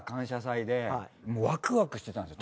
もうワクワクしてたんですよ。